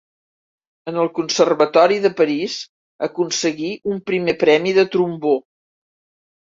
En el Conservatori de París, aconseguí un primer premi de trombó.